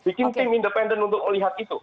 bikin tim independen untuk melihat itu